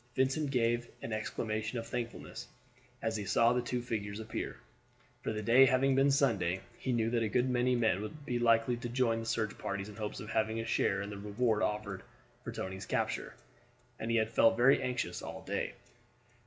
Vincent gave an exclamation of thankfulness as he saw the two figures appear, for the day having been Sunday he knew that a good many men would be likely to join the search parties in hopes of having a share in the reward offered for Tony's capture, and he had felt very anxious all day.